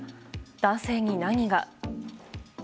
男性に何が。